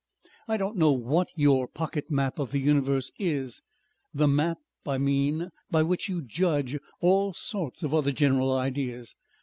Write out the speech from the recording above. I don't know what your pocket map of the universe is, the map, I mean, by which you judge all sorts of other general ideas.